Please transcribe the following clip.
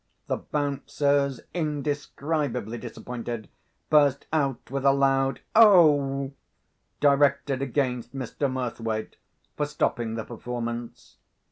The Bouncers, indescribably disappointed, burst out with a loud "O!" directed against Mr. Murthwaite for stopping the performance.